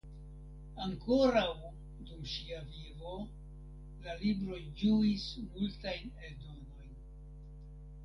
Ankoraŭ dum ŝia vivo la libroj ĝuis multajn eldonojn.